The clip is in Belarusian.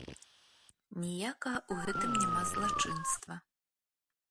Ніякага ў гэтым няма злачынства!